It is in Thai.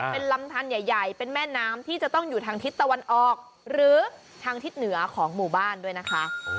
เป็นลำทันใหญ่เป็นแม่น้ำที่จะต้องอยู่ทางทิศตะวันออกหรือทางทิศเหนือของหมู่บ้านด้วยนะคะ